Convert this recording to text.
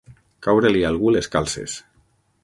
Caure-li a algú les calces.